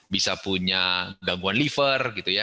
bisa punya gangguan liver gitu ya